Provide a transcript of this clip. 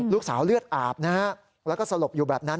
เลือดอาบนะฮะแล้วก็สลบอยู่แบบนั้น